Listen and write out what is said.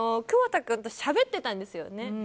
窪田君としゃべってたんですよね。